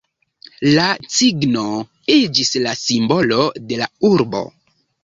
La cigno iĝis la simbolo de la urbo.